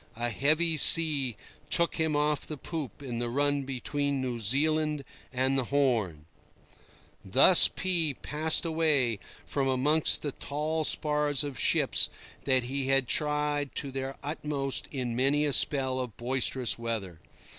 A heavy sea took him off the poop in the run between New Zealand and the Horn." Thus P— passed away from amongst the tall spars of ships that he had tried to their utmost in many a spell of boisterous weather.